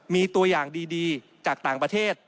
มีตัวอย่างดีจากต่างประเทศ